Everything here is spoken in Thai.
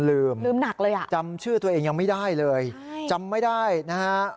ลืมลืมหนักเลยอ่ะจำชื่อตัวเองยังไม่ได้เลยจำไม่ได้นะฮะ